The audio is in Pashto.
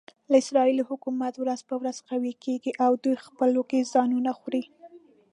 د اسرایلو حکومت ورځ په ورځ قوي کېږي او دوی خپلو کې ځانونه خوري.